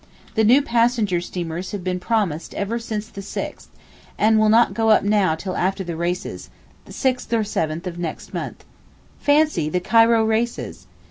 The new passenger steamers have been promised ever since the 6th, and will not now go till after the races—6th or 7th of next month. Fancy the Cairo races!